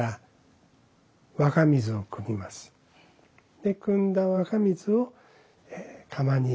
でくんだ若水を釜に移して。